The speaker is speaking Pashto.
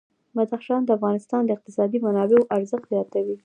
بدخشان د افغانستان د اقتصادي منابعو ارزښت زیاتوي.